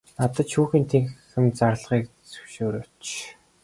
Надад шүүхийн танхим зарлахыг зөвшөөрөөч.